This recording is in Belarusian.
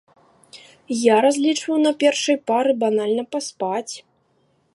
Я разлічваў на першай пары банальна паспаць.